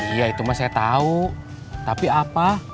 iya itu mas saya tahu tapi apa